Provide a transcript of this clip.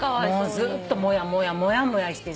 ずっとモヤモヤモヤモヤしてさ。